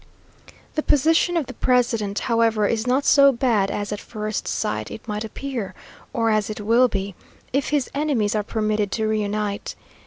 The position of the president, however, is not so bad as at first sight it might appear, or as it will be, if his enemies are permitted to reunite.